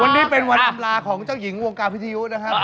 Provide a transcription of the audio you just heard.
วันนี้เป็นวันอำลาของเจ้าหญิงวงการวิทยุนะครับ